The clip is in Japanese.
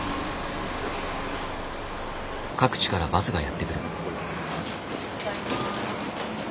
各地からバスがやって来る。